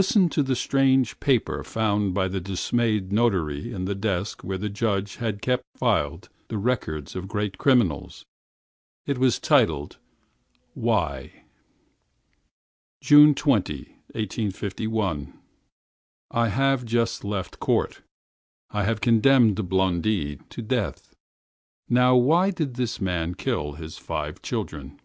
But here is the strange paper found by the dismayed notary in the desk where he had kept the records of great criminals! It was entitled: WHY? 20th June, 1851. I have just left court. I have condemned Blondel to death! Now, why did this man kill his five children?